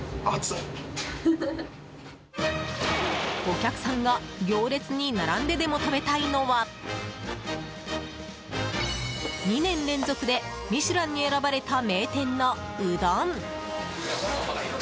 お客さんが行列に並んででも食べたいのは２年連続で「ミシュラン」に選ばれた名店のうどん。